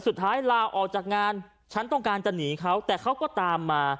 สุดท้ายลาออกจากงานฉันต้องการจะหนีเขาแต่เขาก็ตามมา